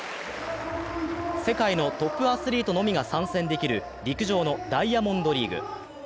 世界のトップアスリートのみが参戦できる陸上のダイヤモンドリーグ。